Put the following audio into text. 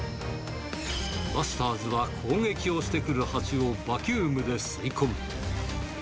バスターズは攻撃をしてくるハチをバキュームで吸い込む。